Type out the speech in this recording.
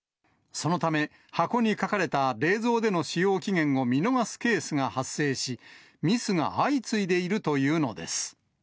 そのため、箱に書かれた冷蔵での使用期限を見逃すケースが発生し、ミスが相次いでいるというのです。